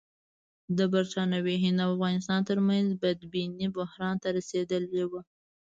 د برټانوي هند او افغانستان ترمنځ بدبیني بحران ته رسېدلې وه.